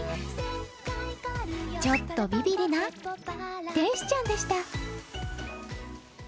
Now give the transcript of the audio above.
ちょっとびびりな天使ちゃんでした。